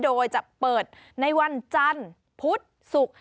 โดยจะเปิดในวันจันทร์พุธศุกร์